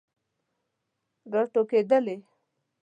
راټوکیدلې